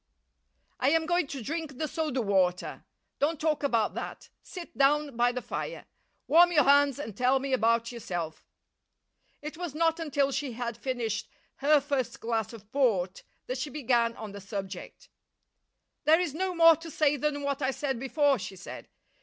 "I am going to drink the soda water. Don't talk about that. Sit down by the fire. Warm your hands and tell me about yourself." It was not until she had finished her first glass of port that she began on the subject. "There is no more to say than what I said before," she said.